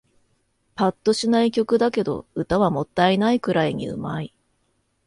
ぱっとしない曲だけど、歌はもったいないくらいに上手い